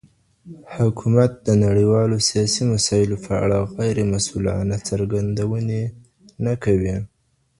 حکومت د نړیوالو سیاسي مسایلو په اړه غیر مسوولانه څرګندوني نه کوي.